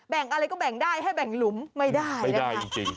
แบ่งอะไรก็แบ่งได้ให้แบ่งหลุมไม่ได้นะคะ